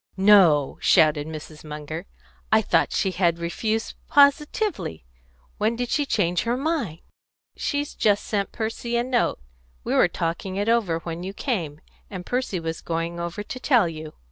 "No!" shouted Mrs. Munger. "I thought she had refused positively. When did she change her mind?" "She's just sent Percy a note. We were talking it over when you came, and Percy was going over to tell you."